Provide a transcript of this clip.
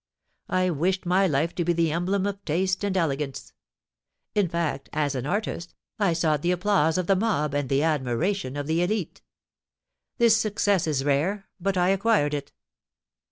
I wished my life to be the emblem of taste and elegance. In fact, as an artist, I sought the applause of the mob and the admiration of the élite. This success is rare, but I acquired it."